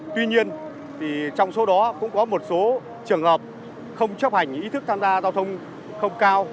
tuy nhiên trong số đó cũng có một số trường hợp không chấp hành ý thức tham gia giao thông không cao